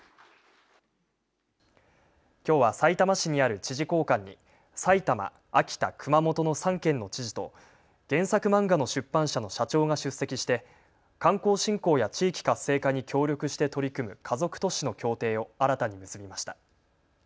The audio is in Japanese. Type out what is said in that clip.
きょうはさいたま市にある知事公館に埼玉、秋田、熊本の３県の知事と原作漫画の出版社の社長が出席して観光振興や地域活性化に協力して取り組む家族都市の協定を新たに結びました。